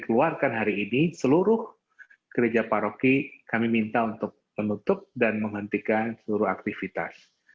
keluarkan hari ini seluruh gereja paroki kami minta untuk menutup dan menghentikan seluruh aktivitas